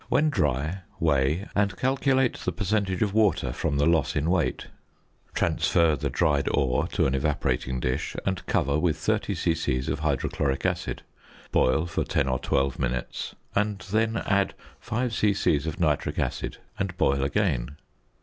When dry, weigh, and calculate the percentage of water from the loss in weight. Transfer the dried ore to an evaporating dish, and cover with 30 c.c. of hydrochloric acid; boil for 10 or 12 minutes, and then add 5 c.c. of nitric acid and boil again.